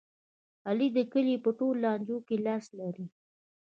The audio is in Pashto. علي د کلي په ټول لانجو کې لاس لري.